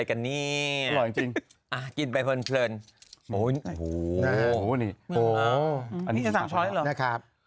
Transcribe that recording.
ช้อนน่ากินแกงมาก